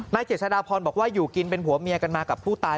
เจษฎาพรบอกว่าอยู่กินเป็นผัวเมียกันมากับผู้ตาย